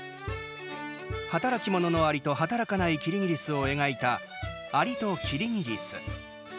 働き者のアリと働かないキリギリスを描いた「アリとキリギリス」。